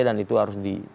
dan itu harus di